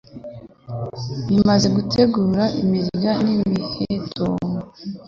bimaze gutegura imirya n'imiheto